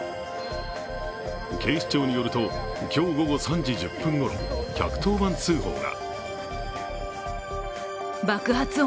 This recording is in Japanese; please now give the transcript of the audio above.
警視庁によると、今日午後３時１０分ごろ、１１０番通報が。